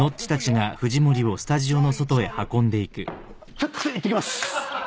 ちょっといってきます。